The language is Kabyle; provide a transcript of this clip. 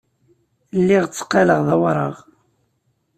Lliɣ tteqqaleɣ d awraɣ.